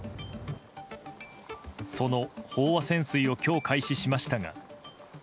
その飽和潜水を今日、開始しましたが。